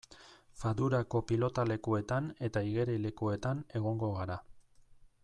Fadurako pilotalekuetan eta igerilekuetan egongo gara.